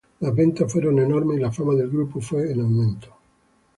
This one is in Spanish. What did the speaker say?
Las ventas fueron enormes y la fama del grupo fue en aumento.